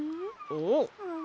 おっ！